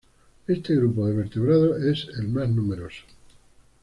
Este grupo de vertebrados es el más numeroso.